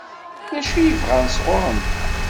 D acu i bɣan sɣur-nteɣ?